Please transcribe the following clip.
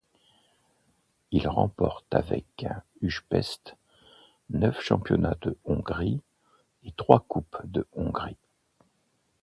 Il remporte avec Újpest neuf championnats de Hongrie, et trois Coupes de Hongrie.